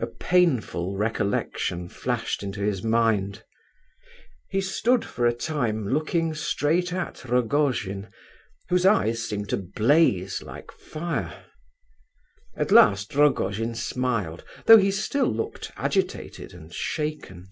A painful recollection flashed into his mind. He stood for a time, looking straight at Rogojin, whose eyes seemed to blaze like fire. At last Rogojin smiled, though he still looked agitated and shaken.